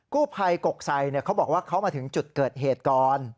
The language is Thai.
กู้ภัยกกไซเขาบอกว่าเขามาถึงจุดเกิดเหตุก่อน